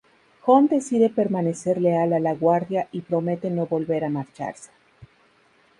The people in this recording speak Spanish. Jon decide permanecer leal a la Guardia y promete no volver a marcharse.